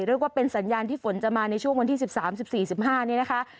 เรียกว่าเป็นสัญญาณที่ฝนจะมาในช่วงวันที่๑๓๑๔๑๕นี่นะคะ